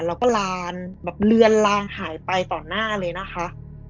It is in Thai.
แล้วก็ลานแบบเลือนลางหายไปต่อหน้าเลยนะคะ